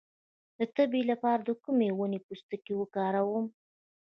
د تبې لپاره د کومې ونې پوستکی وکاروم؟